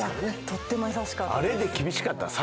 とっても優しかった。